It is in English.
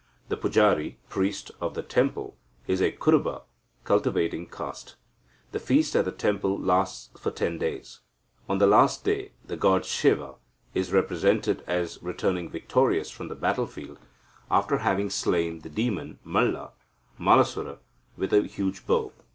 The pujari (priest) of the temple is a Kuruba (cultivating caste). The feast at the temple lasts for ten days. On the last day, the god Siva is represented as returning victorious from the battlefield, after having slain the demon Malla (Mallasura) with a huge bow.